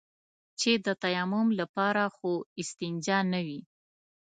چې د تيمم لپاره خو استنجا نه وي.